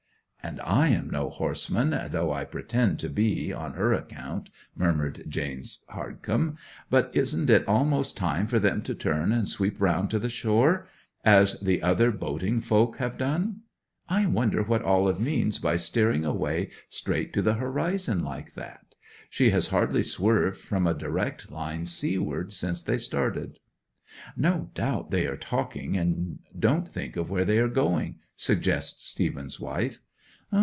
'"And I am no horseman, though I pretend to be on her account," murmured James Hardcome. "But isn't it almost time for them to turn and sweep round to the shore, as the other boating folk have done? I wonder what Olive means by steering away straight to the horizon like that? She has hardly swerved from a direct line seaward since they started." '"No doubt they are talking, and don't think of where they are going," suggests Stephen's wife.